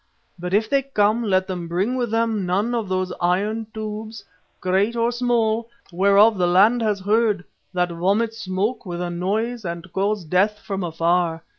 But if they come, let them bring with them none of those iron tubes, great or small, whereof the land has heard, that vomit smoke with a noise and cause death from afar.